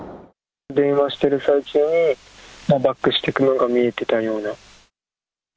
電話してる最中に、バックしていくのが見えてたような。